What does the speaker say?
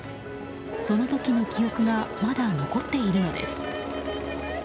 その時の記憶がまだ残っているのです。